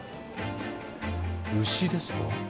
牛ですか。